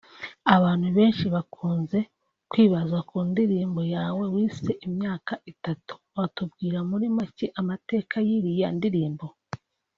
Abantu benshi bakunze kwibaza ku ndirimbo yawe wise « Imyaka Itatu » watubwira muri macye amateka y‘iriya ndirimbo